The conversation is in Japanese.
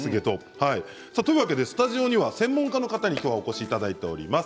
スタジオには専門家の方にお越しいただいています。